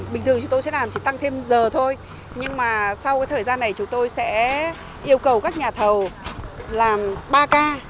bình thường chúng tôi sẽ làm chỉ tăng thêm giờ thôi nhưng mà sau thời gian này chúng tôi sẽ yêu cầu các nhà thầu làm ba k